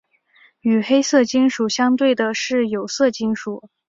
与黑色金属相对的是有色金属。